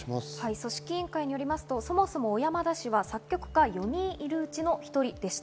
組織委員会によると、そもそも小山田氏は作曲家４人いるうちの１人でした。